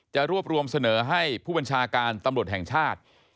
รวบรวมเสนอให้ผู้บัญชาการตำรวจแห่งชาติ